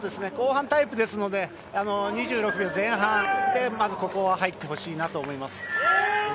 後半タイプですので２６秒前半でまず、ここは入ってほしいと思います。